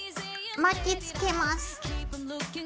巻きつけます。